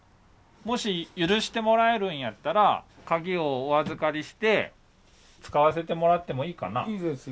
もし許してもらえるんやったら鍵をお預かりして使わせてもらってもいいかな？